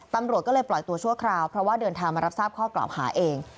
ตำรวจก็เลยปล่อยตัวชั่วคราวเพราะว่าเดินทางมารับทราบข้อกล่าวหาเอง